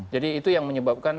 jadi itu yang menyebabkan